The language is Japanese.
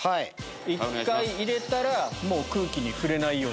１回入れたら空気に触れないように。